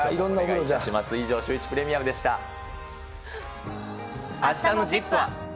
以上、シューイチプレミアムあしたのＺＩＰ！は。